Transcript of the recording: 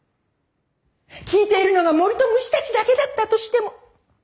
聴いているのが森と虫たちだけだったとしても。